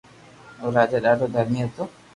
او راجا ڌاڌو درھمي ھتو